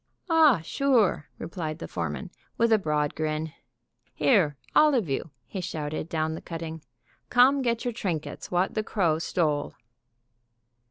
"Ah, sure!" replied the foreman, with a broad grin. "Here, all of you," he shouted down the cutting, "come get your trinkets what the crow stole!"